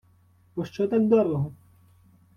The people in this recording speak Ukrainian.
— Пощо так дорого?